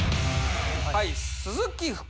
はい鈴木福。